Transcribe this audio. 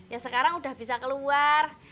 ya sekarang udah bisa keluar